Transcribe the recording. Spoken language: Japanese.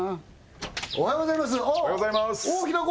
おはようございますおお平子！